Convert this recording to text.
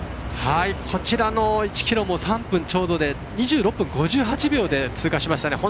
こちらの１ｋｍも３分ちょうどで２６分５８秒で通過しました。